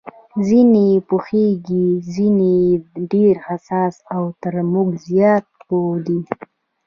ځینې یې پوهېږي، ځینې یې ډېر حساس او تر موږ زیات پوه دي.